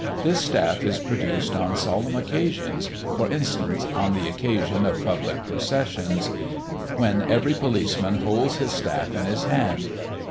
This staff is produced on solemn occasions, for instance, on the occasion of public processions, when every policeman holds his staff in his hand.